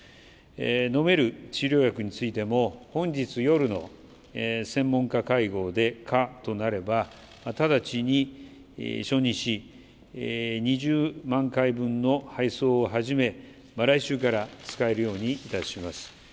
飲める治療薬についても、本日夜の専門家会合で可となれば、直ちに承認し、２０万回分の配送を始め、来週から使えるようにいたします。